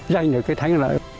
giành được cái thắng lợi